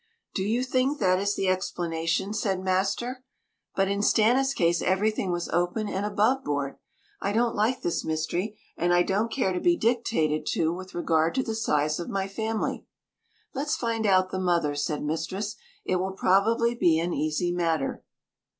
"Do you think that is the explanation?" said master. "But in Stanna's case everything was open and above board. I don't like this mystery, and I don't care to be dictated to with regard to the size of my family." "Let's find out the mother," said mistress. "It will probably be an easy matter."